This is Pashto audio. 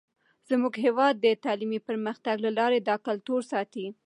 زموږ هیواد د تعلیمي پرمختګ له لارې د کلتور ساتئ.